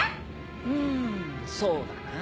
うんそうだなぁ。